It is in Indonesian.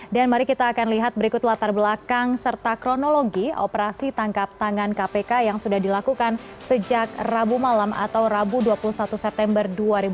dan mari kita akan lihat berikut latar belakang serta kronologi operasi tangkap tangan kpk yang sudah dilakukan sejak rabu malam atau rabu dua puluh satu september dua ribu dua puluh dua